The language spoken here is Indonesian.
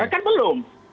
ya kan belum